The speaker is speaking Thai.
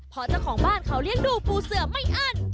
พอเจ้าของบ้านเขาเลี้ยงดูปูเสือไม่อั้น